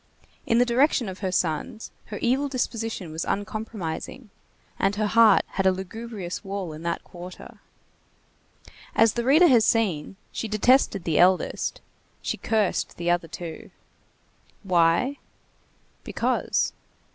In the direction of her sons her evil disposition was uncompromising, and her heart had a lugubrious wall in that quarter. As the reader has seen, she detested the eldest; she cursed the other two. Why? Because.